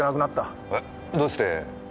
えどうして？